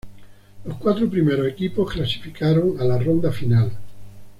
Los cuatro primeros equipos clasificaron a la Ronda Final.